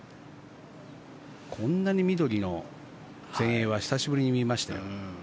こんなに緑の全英は久しぶりに見ましたよ。